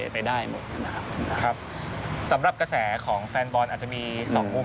ครับสำหรับกระแสของแฟนบอลอาจจะมี๒มุม